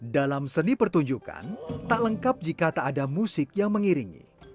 dalam seni pertunjukan tak lengkap jika tak ada musik yang mengiringi